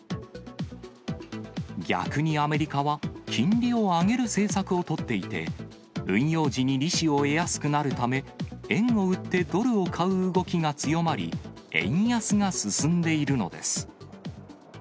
逆にアメリカは、金利を上げる政策を取っていて、運用時に利子を得やすくなるため、円を売ってドルを買う動きが強まり、円安が進んでいるのです。